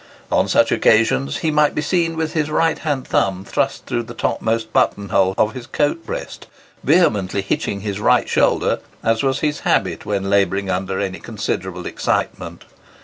On such occasions he might be seen with his right hand thumb thrust through the topmost button hole of his coat breast, vehemently hitching his right shoulder, as was his habit when labouring under any considerable excitement.